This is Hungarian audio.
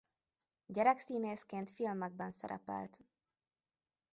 Gyerekszínészként filmekben szerepelt.